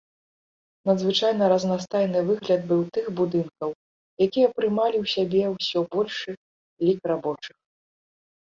Надзвычайна разнастайны выгляд быў тых будынкаў, якія прымалі ў сябе ўсё большы лік рабочых.